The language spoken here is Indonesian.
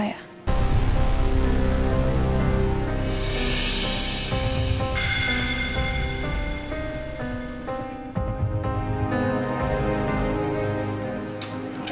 saya akan mencari